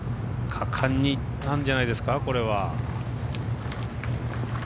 果敢にいったんじゃないですかこれは。